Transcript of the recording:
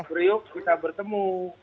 priuk bisa bertemu